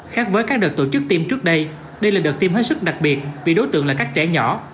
khác với các đợt tổ chức tiêm trước đây đây là đợt tiêm hết sức đặc biệt vì đối tượng là các trẻ nhỏ